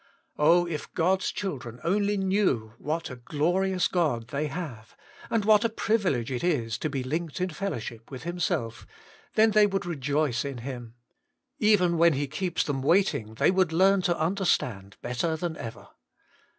Oh, if God's children only knew what a glorious God they have, and what a privilege it is to be linked in fellowship with Himself, then they would rejoice in Him ; even when He keeps them waiting they would learn to understand better than ever.